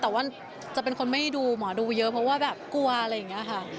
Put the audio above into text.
แต่ว่าจะเป็นคนไม่ดูหมอดูเยอะเพราะว่าแบบกลัวอะไรอย่างนี้ค่ะ